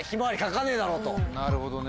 なるほどね。